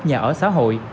nhà ở xã hội